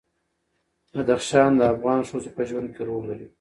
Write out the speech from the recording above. بدخشان د افغان ښځو په ژوند کې رول لري.